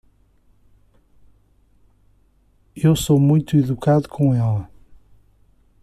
Eu sou muito educado com ele.